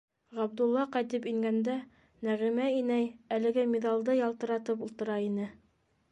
Ғабдулла ҡайтып ингәндә, Нәғимә инәй әлеге миҙалды ялтыратып ултыра ине.